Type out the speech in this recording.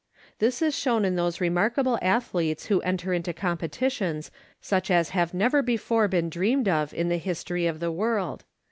This is shown in those remarkable athletes who enter into competitions such as have never before been dreamed of in the history of the world.